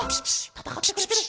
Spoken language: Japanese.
たたかってくれてる。